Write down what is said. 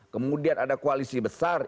kemudian ada koalisi besar